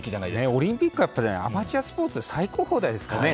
オリンピックはアマチュアスポーツとしては最高峰ですからね。